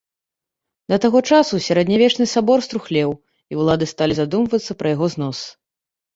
Да таго часу сярэднявечны сабор струхлеў, і ўлады сталі задумвацца пра яго знос.